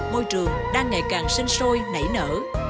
môi trường đang ngày càng sinh sôi nảy nở